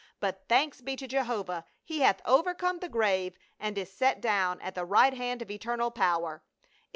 But, thanks be to Jehovah, he hath overcome the grave and is set down at the right hand of eternal power.